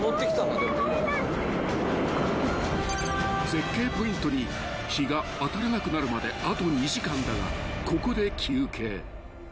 ［絶景ポイントに日が当たらなくなるまであと２時間だがここで休憩］